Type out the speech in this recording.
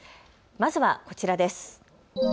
まずはこちらです。